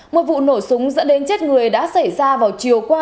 một vụ nổ súng dẫn đến chết người đã xảy ra vào chiều qua